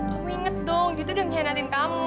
kamu inget dong dia tuh udah ngianatin kamu